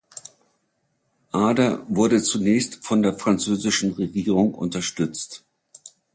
Ader wurde zunächst von der französischen Regierung unterstützt.